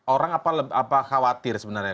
orang apa khawatir sebenarnya